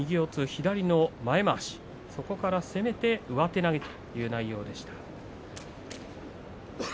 左の前まわしそこから攻めて上手投げという内容でした。